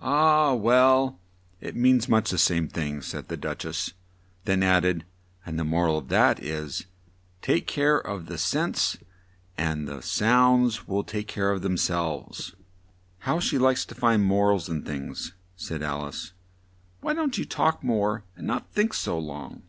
"Ah! well, it means much the same thing," said the Duch ess, then add ed, "and the mor al of that is 'Take care of the sense and the sounds will take care of themselves.'" "How she likes to find mor als in things," said Al ice. "Why don't you talk more and not think so long?"